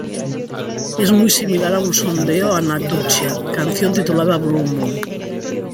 Es muy similar a un sondeo Anna Tsuchiya canción titulada "Blue Moon".